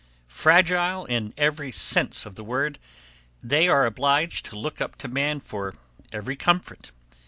Fragile in every sense of the word, they are obliged to look up to man for every comfort.